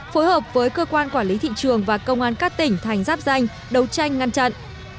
phối hợp với cơ quan quản lý thị trường và công an các tỉnh thành giáp danh đấu tranh ngăn chặn